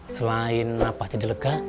selain napas jadi lega